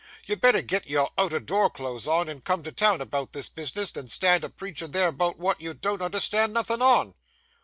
You'd better get your out o' door clothes on, and come to town about this bisness, than stand a preachin' there about wot you don't understand nothin' on.